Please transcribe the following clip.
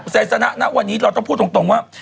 ไซสนะณวันนี้เราต้องพูดตรงว่า